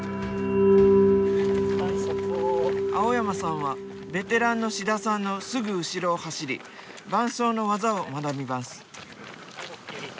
青山さんはベテランの志田さんのすぐ後ろを走り伴走の技を学びます。